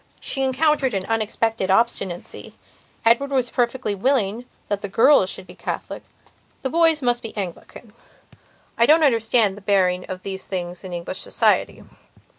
She encountered an unexpected obstinacy. Edward was perfectly willing that the girls should be Catholic; the boys must be Anglican. I don't understand the bearing of these things in English society.